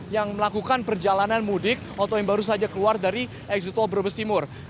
yang melakukan perjalanan mudik atau yang baru saja keluar dari exit tol brebes timur